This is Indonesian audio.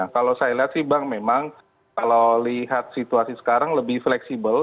kalau saya lihat sih bang memang kalau lihat situasi sekarang lebih fleksibel